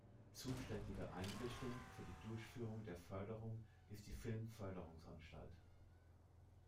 Zuständige Einrichtung für die Durchführung der Förderung ist die Filmförderungsanstalt.